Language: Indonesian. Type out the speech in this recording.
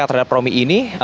terhadap romi ini